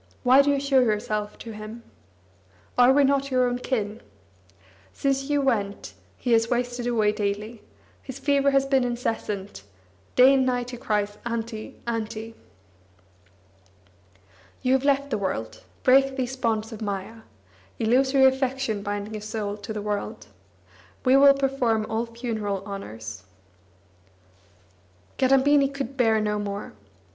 Why do you show yourself to him? Are we not your own kin? Since you went, he has wasted away daily; his fever has been incessant; day and night he cries: 'Auntie, Auntie.' You have left the world; break these bonds of maya (Illusory affection binding a soul to the world). We will perform all funeral honours." Kadambini could bear no more.